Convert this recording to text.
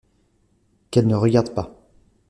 Qu’elles ne regardent pas !